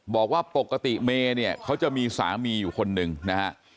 บอกว่าปกติเมย์เนี่ยเขาจะมีสามีอยู่คนหนึ่งนะฮะ